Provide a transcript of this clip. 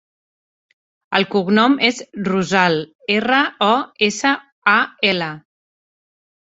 El cognom és Rosal: erra, o, essa, a, ela.